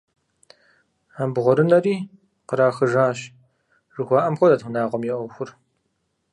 «Абгъуэрынэри кърахыжащ» жыхуаӀэм хуэдэт унагъуэм я Ӏуэхур.